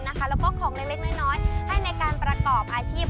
แล้วก็ของเล็กน้อยให้ในการประกอบอาชีพ